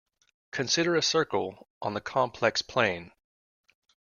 Consider a circle on the complex plane.